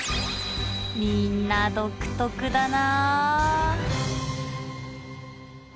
みんな独特だな。